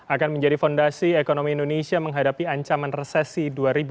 akan menjadi fondasi ekonomi indonesia menghadapi ancaman resesi dua ribu dua puluh